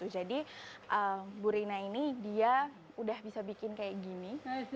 jadi bu rina ini dia sudah bisa bikin kayak gini